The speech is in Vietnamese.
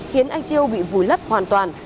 khiến anh chiêu bị vùi lấp hoàn toàn